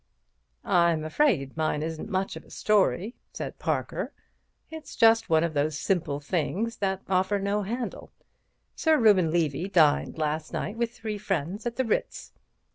"I'm afraid mine isn't much of a story," said Parker. "It's just one of those simple things that offer no handle. Sir Reuben Levy dined last night with three friends at the Ritz.